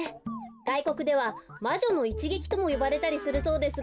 がいこくでは「まじょのいちげき」ともよばれたりするそうですが。